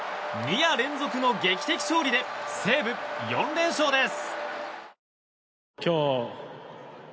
２夜連続の劇的勝利で西武４連勝です。